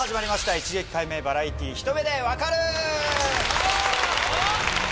『一撃解明バラエティひと目でわかる‼』。